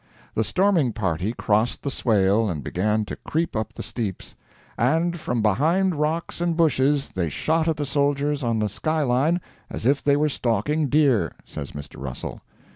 The storming party crossed the swale and began to creep up the steeps, "and from behind rocks and bushes they shot at the soldiers on the skyline as if they were stalking deer," says Mr. Russell.